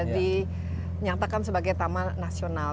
dinyatakan sebagai taman nasional